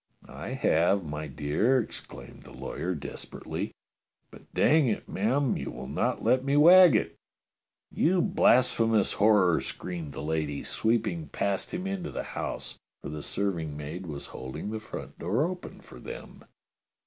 "I have, my dear," exclaimed the lawyer desper ately, "but dang it, ma'am, you will not let me wag it." "You blasphemous horror!" screamed the lady, sweeping past him into the house, for the serving maid was holding the front door open for them.